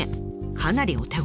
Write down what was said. かなりお手頃！